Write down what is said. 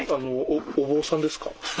お坊さんですか？